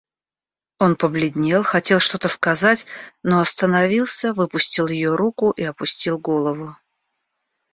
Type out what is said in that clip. Он побледнел, хотел что-то сказать, но остановился, выпустил ее руку и опустил голову.